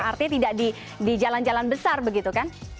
artinya tidak di jalan jalan besar begitu kan